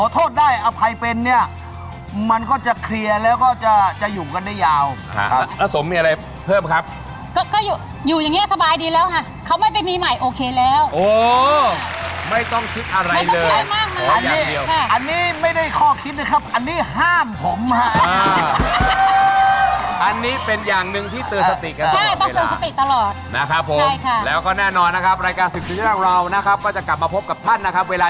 แถมไปแล้วนะฮะ